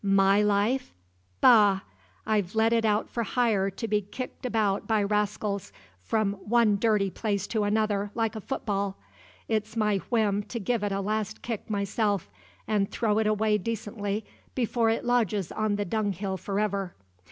My life? Bah! I've let it out for hire to be kicked about by rascals from one dirty place to another, like a football! It's my whim to give it a last kick myself, and throw it away decently before it lodges on the dunghill forever.